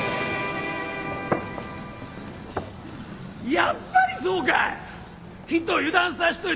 やっぱりそうかい！